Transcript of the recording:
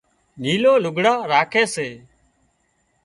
نيلُون لگھڙون راکي سي